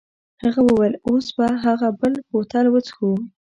هغه وویل اوس به هغه بل بوتل وڅښو.